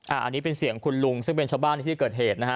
อันนี้เป็นเสียงคุณลุงซึ่งเป็นชาวบ้านในที่เกิดเหตุนะฮะ